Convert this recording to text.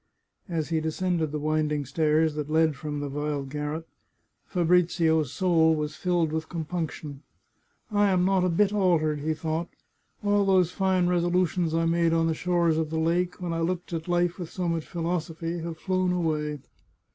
As he descended the winding stairs that led from the vile 189 The Chartreuse of Parma garret, Fabrizio's soul was filled with compunction. " I am not a bit altered," he thought. " All those fine resolutions I made on the shores of the lake, when I looked at life with so much philosophy, have flown away.